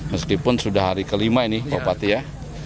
meskipun sudah hari kelima ini bupati ya